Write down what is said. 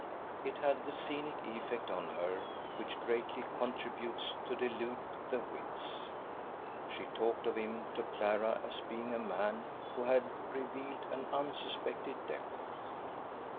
It had the scenic effect on her which greatly contributes to delude the wits. She talked of him to Clara as being a man who had revealed an unsuspected depth.